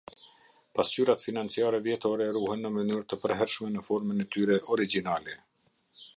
Pasqyrat financiare vjetore ruhen në mënyrë të përhershme në formën e tyre origjinale.